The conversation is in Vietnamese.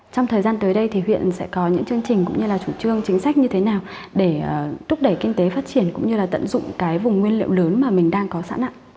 trong thời gian tới đây thì huyện sẽ có những chương trình cũng như là chủ trương chính sách như thế nào để thúc đẩy kinh tế phát triển cũng như là tận dụng cái vùng nguyên liệu lớn mà mình đang có sẵn ạ